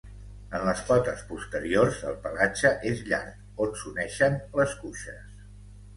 En les potes posteriors el pelatge és llarg on s'uneixen les cuixes.